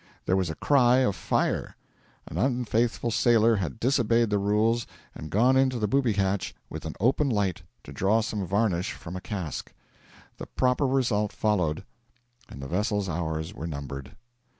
There was a cry of fire. An unfaithful sailor had disobeyed the rules and gone into the booby hatch with an open light to draw some varnish from a cask. The proper result followed, and the vessel's hours were numbered.